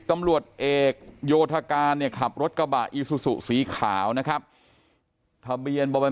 ๑๐ตำรวจเอกโยธกาลขับรถกระบะอีซูซุสีขาวนะครับทะเบียนบ่าย